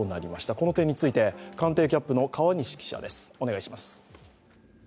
この点について官邸キャップの川西記者です。